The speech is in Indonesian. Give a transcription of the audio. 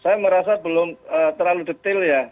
saya merasa belum terlalu detail ya